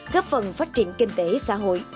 cấp phần phát triển kinh tế xã hội